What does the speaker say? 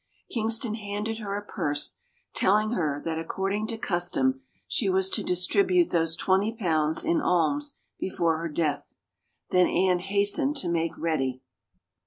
Kingston handed her a purse, telling her that accord ing to custom she was to distribute those twenty pounds in alms before her death. Then Anne hastened to make ready.